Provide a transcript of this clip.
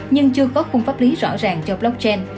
nhưng chưa có khung pháp lý rõ ràng cho blockchain